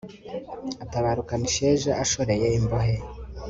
atabarukana isheja ashoreye imbohe